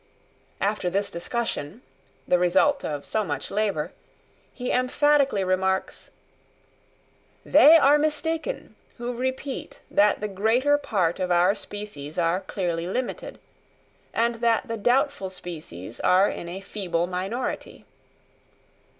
After this discussion, the result of so much labour, he emphatically remarks: "They are mistaken, who repeat that the greater part of our species are clearly limited, and that the doubtful species are in a feeble minority.